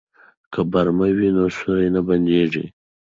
که برمه وي نو سوري نه بنديږي.